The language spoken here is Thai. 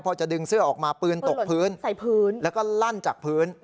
พอจะดึงเสื้อออกมาปืนตกพื้นใส่พื้นแล้วก็ลั่นจากพื้น